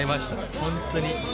本当に。